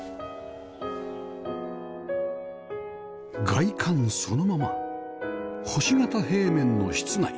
外観そのまま星形平面の室内